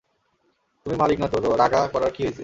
তুমি মালিক না তো, রাগা করার কি হইসে।